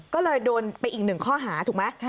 ก็เลยโดนไปอีกหนึ่งข้อหาถูกไหม